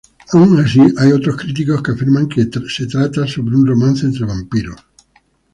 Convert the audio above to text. Aun así hay otros críticos que afirman que trata sobre un romance entre vampiros.